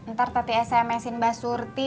ntar tati smsin mbak surti